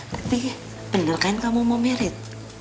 tapi bener kan kamu mau married